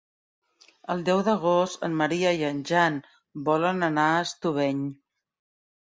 El deu d'agost en Maria i en Jan volen anar a Estubeny.